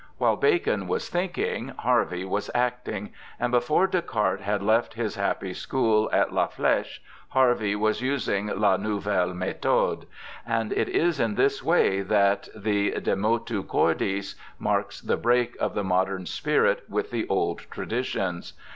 While Bacon was thinking, Harvey was acting; and before Descartes had left his happy school at La Fleche Harvey was using la nouvelle me'tJwdc; and it is in this w^ay that the de Mottt Cordis marks the break of the modern spirit with the old traditions.